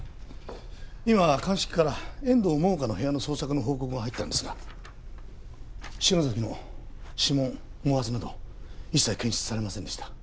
今鑑識から遠藤桃花の部屋の捜索の報告が入ったんですが篠崎の指紋毛髪など一切検出されませんでした。